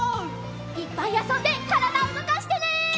いっぱいあそんでからだをうごかしてね！